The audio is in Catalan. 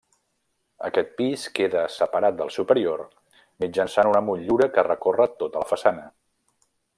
Aquest pis queda separat del superior mitjançant una motllura que recorre tota la façana.